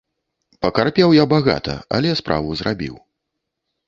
Пакарпеў я багата, але справу зрабіў.